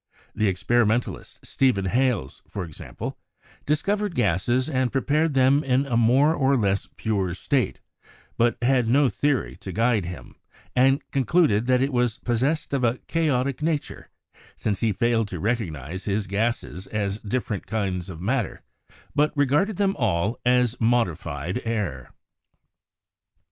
The experimentalist Stephen Hales, for example, discovered gases and prepared them in a more or less pure state, but had no theory to guide him, and concluded that it was possessed of "a chaotic na ture," since he failed to recognise his gases as different kinds of matter, but regarded them all as modified air.